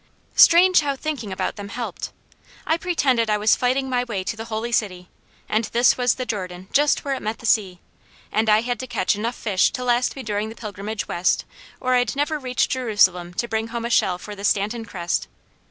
Strange how thinking about them helped. I pretended I was fighting my way to the Holy City, and this was the Jordan just where it met the sea, and I had to catch enough fish to last me during the pilgrimage west or I'd never reach Jerusalem to bring home a shell for the Stanton crest.